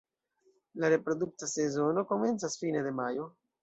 La reprodukta sezono komencas fine de majo.